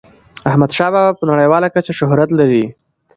احمد شاه بابا په نړیواله کچه شهرت لري.